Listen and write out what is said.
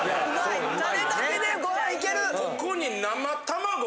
タレだけでご飯いける。